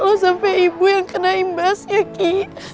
kalau sampai ibu yang kena imbas ya ki